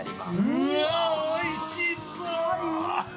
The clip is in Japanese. うわ、おいしそう！